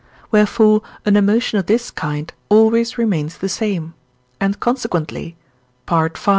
Wherefore an emotion of this kind always remains the same; and consequently (V.